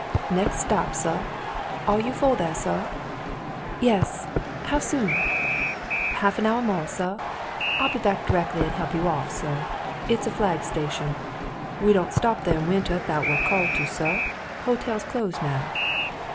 "Next stop, suh. Are you foh there, suh.^^" "Yes. How soon?" "Half an houh mo', suh. I'll be back d'rectly and help you off, suh. It's a flag station. We don't stop there in winter 'thout we're called to, suh. Hotel's closed now."